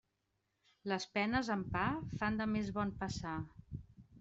Les penes amb pa fan de més bon passar.